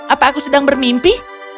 apa aku sedang bermimpi